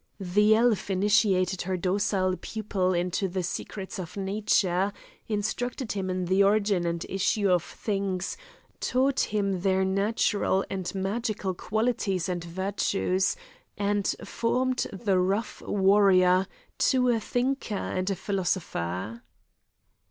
The elf initiated her docile pupil into the secrets of nature, instructed him in the origin and issue of things, taught him their natural and magical qualities and virtues, and formed the rough warrior to a thinker and a philosopher.